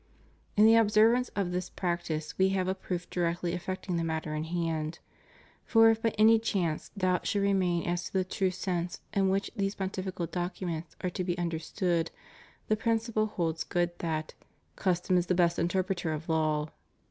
In the observance of this practice we have a proof directly affecting the matter in hand. For if by any chance doubt should remain as to the true sense in which these Pontifical documents are to be under stood, the principle holds good that "Custom is the best interpreter of law."